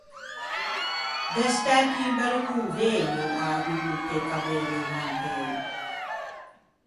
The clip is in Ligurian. Gh’é stæto un bello convëgno a-a biblioteca Berio vantëi.